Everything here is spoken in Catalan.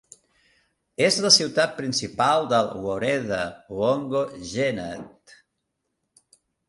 És la ciutat principal del "woreda" Wondo Genet.